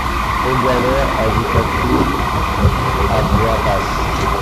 Aux galères, ajouta-t-il à voix basse.